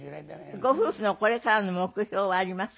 ご夫婦のこれからの目標はありますか？